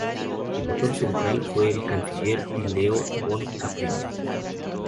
El motor central fue el canciller y Leo von Caprivi.